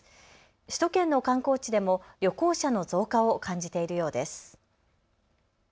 首都圏の観光地でも旅行者の増加を感じているようです。